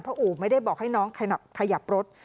เพราะอู่ไม่ได้บอกให้น้องขยับรถ